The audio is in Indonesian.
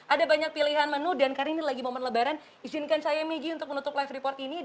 ada banyak pilihan menu dan karena ini lagi momen lebaran izinkan saya megi untuk menutup live report ini